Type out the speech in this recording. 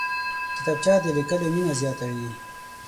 کتابچه د لیکلو مینه زیاتوي